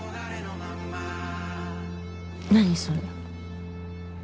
何それ？